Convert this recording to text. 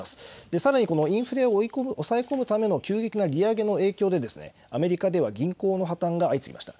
さらにインフレを抑え込むための急激な利上げの影響でアメリカでは銀行の破綻が相次ぎました。